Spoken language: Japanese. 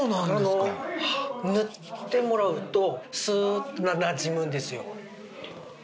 塗ってもらうとスーッとなじむんですよ。